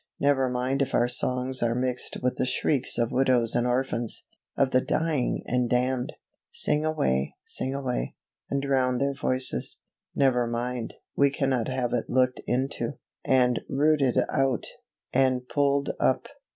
Never mind if our songs are mixed with the shrieks of widows and orphans, of the dying and damned! Sing away, sing away, and drown their voices. Never mind; we cannot have it looked into, and rooted out, and pulled up.